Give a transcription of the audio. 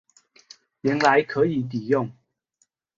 原来可以抵用